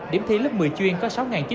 điểm thi lớp một mươi chuyên có